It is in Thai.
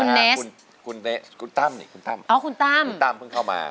คุณเนสคุณเนสคุณตั้มนี่คุณตั้มอ้าวคุณตั้มคุณตั้มเพิ่งเข้ามา